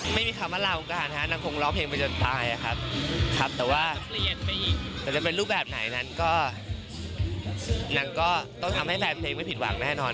ไม่มีคำว่าราวของการฮะนางคงเลาะเพลงไปจนตายอะครับแต่ว่าจะเป็นรูปแบบไหนนั้นก็นางก็ต้องทำให้แฟนเพลงไม่ผิดหวังแน่นอน